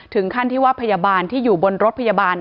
ถึงขั้นที่ว่าพยาบาลที่อยู่บนรถพยาบาล